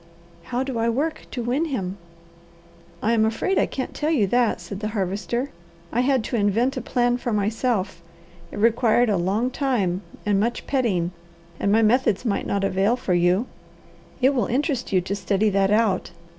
"How do I work to win him?" "I am afraid I can't tell you that," said the Harvester. "I had to invent a plan for myself. It required a long time and much petting, and my methods might not avail for you. It will interest you to study that out.